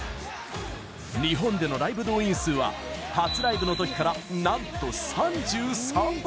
日本でのライブ動員数は初ライブの時からなんと３３倍！